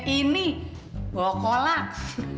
ini gue mau kolak